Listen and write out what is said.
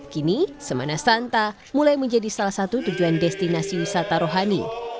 kini semana santa mulai menjadi salah satu tujuan destinasi wisata rohani